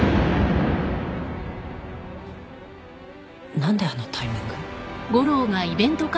何であのタイミング？